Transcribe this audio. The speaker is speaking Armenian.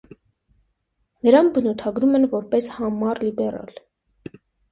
Նրան բնութագրում են որպես «համառ լիբերալ»։